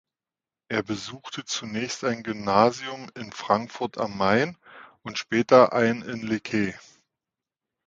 Er besuchte zunächst ein Gymnasium in Frankfurt am Main und später ein in Lecce.